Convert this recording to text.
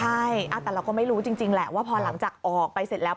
ใช่แต่เราก็ไม่รู้จริงแหละว่าพอหลังจากออกไปเสร็จแล้ว